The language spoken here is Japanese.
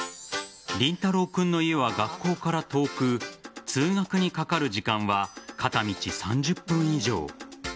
凛太郎君の家は学校から遠く通学にかかる時間は片道３０分以上。